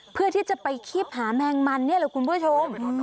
เพื่อที่จะไปคีบหาแมงมันนี่แหละคุณผู้ชม